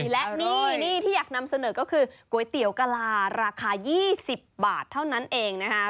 และนี่ที่อยากนำเสนอก็คือก๋วยเตี๋ยวกะลาราคา๒๐บาทเท่านั้นเองนะคะ